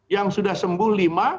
yang sudah sembuh lima